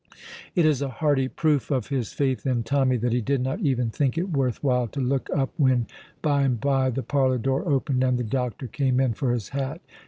It is a hardy proof of his faith in Tommy that he did not even think it worth while to look up when, by and by, the parlour door opened and the doctor came in for his hat.